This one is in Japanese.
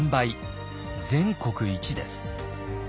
全国一です。